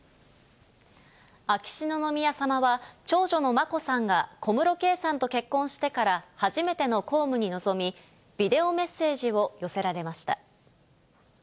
秋篠宮さまは、長女の眞子さんが小室圭さんと結婚してから初めての公務に臨み、ビデオメッセージを寄せられました。